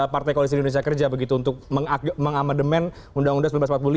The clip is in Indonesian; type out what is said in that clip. partai koalisi indonesia kerja begitu untuk mengamandemen undang undang seribu sembilan ratus empat puluh lima